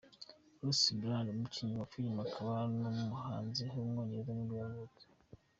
Russell Brand, umukinnyi wa filime akaba n’umuhanzi w’umwongereza nibwo yavutse.